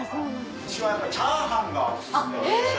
うちはやっぱチャーハンがお薦めで。